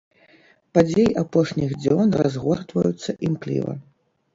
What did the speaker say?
Падзеі апошніх дзён разгортваюцца імкліва.